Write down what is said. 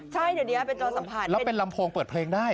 ใช่เดี๋ยวนี้เป็นตัวสัมผัสแล้วเป็นลำโพงเปิดเพลงได้